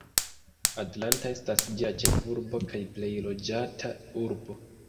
Atlanta estas ĝia ĉefurbo kaj plej loĝata urbo.